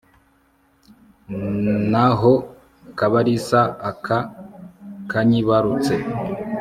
naho kabalisa aka kanyibarutse